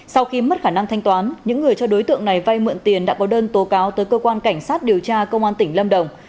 sau khi mất khả năng thanh toán những người cho đối tượng này vay mượn tiền đã có đơn tố cáo tới cơ quan cảnh sát điều tra công an tỉnh lâm đồng